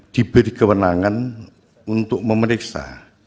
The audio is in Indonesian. diberi kewenangan untuk memeriksa